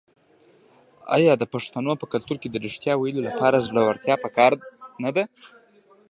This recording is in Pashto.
آیا د پښتنو په کلتور کې د ریښتیا ویلو لپاره زړورتیا پکار نه ده؟